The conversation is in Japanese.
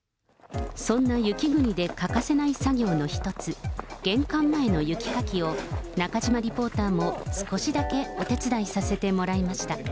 そんな雪国で欠かせない作業の一つ、玄関前の雪かきを中島リポーターも少しだけお手伝いさせてもらいました。